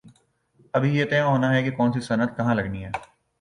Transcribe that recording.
ابھی یہ طے ہو نا ہے کہ کون سی صنعت کہاں لگنی ہے۔